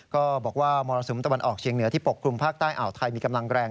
ก็บอกว่ามรสุมตะวันออกเชียงเหนือที่ปกคลุมภาคใต้อ่าวไทยมีกำลังแรง